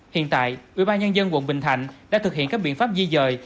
hiện tại ubnd quận bình thạnh đã thực hiện các biện pháp di dời